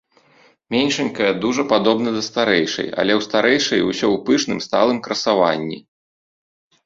Меншанькая дужа падобна да старэйшай, але ў старэйшай усё ў пышным, сталым красаванні.